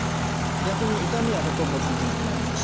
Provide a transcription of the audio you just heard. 逆に痛みはほとんど感じなくなります。